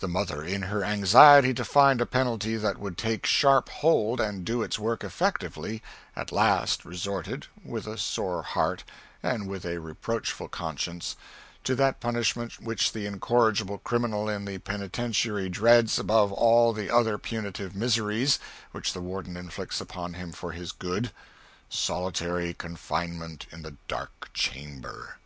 The mother, in her anxiety to find a penalty that would take sharp hold and do its work effectively, at last resorted, with a sore heart, and with a reproachful conscience, to that punishment which the incorrigible criminal in the penitentiary dreads above all the other punitive miseries which the warden inflicts upon him for his good solitary confinement in the dark chamber.